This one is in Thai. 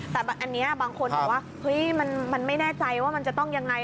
แต่อันนี้บางคนบอกว่าเฮ้ยมันไม่แน่ใจว่ามันจะต้องยังไง